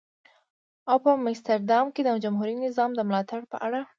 او په مستر دام کې د جمهوري نظام د ملاتړ په اړه.